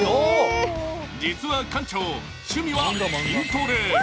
実は館長、趣味は筋トレ。